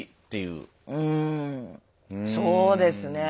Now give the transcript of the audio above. うんそうですね。